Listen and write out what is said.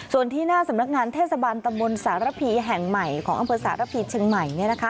ส่วนที่หน้าสำนักงานเทศบาลตำบลสารพีแห่งใหม่ของอำเภอสารพีเชียงใหม่